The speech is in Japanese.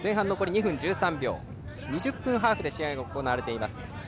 ２０分ハーフで試合が行われています